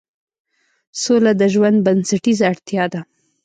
سوله د ژوند بنسټیزه اړتیا ده